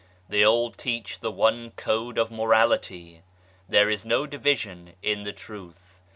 They all teach the one code of Morality. There is no division in the Truth.